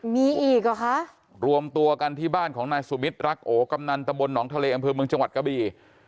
มีอีกหรอคะรวมตัวกันที่บ้านของนายสุมิตรรักโอกำนันตะบลหนองทะเลอำเภอเมืองจังหวัดกะบี่